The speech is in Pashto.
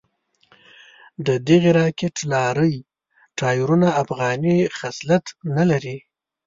ددغې راکېټ لارۍ ټایرونه افغاني خصلت نه لري.